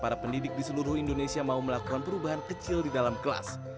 para pendidik di seluruh indonesia mau melakukan perubahan kecil di dalam kelas